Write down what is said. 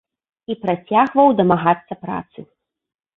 І працягваў дамагацца працы.